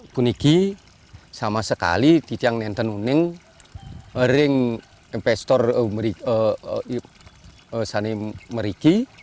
kami tidak tahu apa yang akan terjadi ketika investor ini masuk